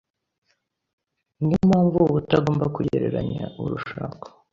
niyo mpamvu uba utagomba kugereranya urushako